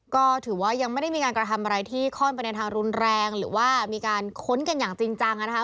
ก็ถือว่ายังไม่ได้มีการกระทำอะไรที่ค่อนไปในทางรุนแรงหรือว่ามีการค้นกันอย่างจริงจังนะคะ